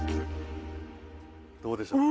どうでしょう？